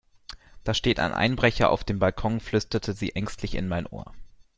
Da steht ein Einbrecher auf dem Balkon, flüsterte sie ängstlich in mein Ohr.